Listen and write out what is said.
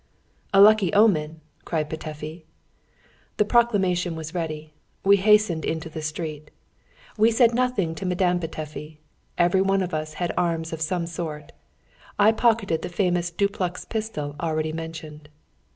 "A lucky omen!" cried Petöfi. The proclamation was ready. We hastened into the street. We said nothing to Madame Petöfi. Every one of us had arms of some sort. I pocketed the famous duplex pistol already mentioned.